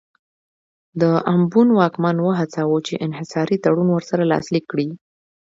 د امبون واکمن وهڅاوه چې انحصاري تړون ورسره لاسلیک کړي.